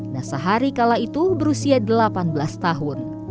nasa hari kala itu berusia delapan belas tahun